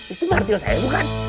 itu ngerti lah saya bukan